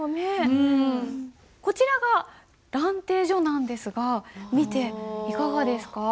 こちらが「蘭亭序」なんですが見ていかがですか？